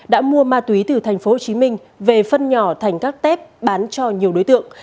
đã mua ma túy từ thành phố hồ chí minh về phân nhỏ thành các tép bán cho nhiều đối tượng